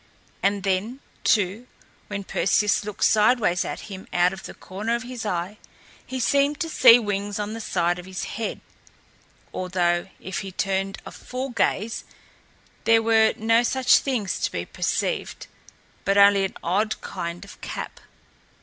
And then, too, when Perseus looked sideways at him out of the corner of his eye, he seemed to see wings on the side of his head; although, if he turned a full gaze, there were no such things to be perceived, but only an odd kind of cap.